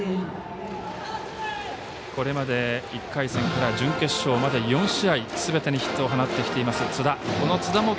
これまで１回戦から準決勝まで４試合すべてにヒットを放ってきている津田。